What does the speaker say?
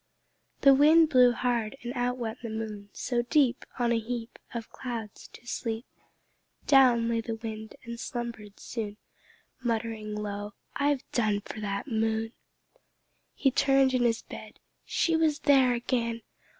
The Wind blew hard, and out went the Moon. So deep, On a heap Of clouds, to sleep, Down lay the Wind, and slumbered soon Muttering low, "I've done for that Moon." He turned in his bed; she was there again!